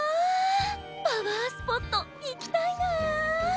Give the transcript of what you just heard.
パワースポットいきたいなあ。